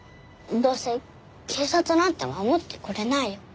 どうせ警察なんて守ってくれないよ。